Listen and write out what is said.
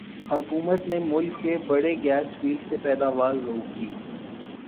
حکومت نے ملک کے بڑے گیس فیلڈز سے پیداوار روک دی